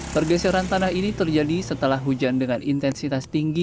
pergeseran tanah ini terjadi setelah hujan dengan intensitas tinggi